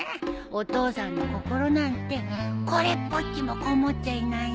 お父さんの心なんてこれっぽっちもこもっちゃいないんだよ。